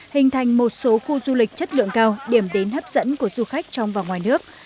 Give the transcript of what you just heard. hình thành một số khu du lịch chất lượng cao điểm đến hấp dẫn của du khách trong và ngoài nước